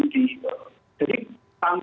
jadi tantangan tersebut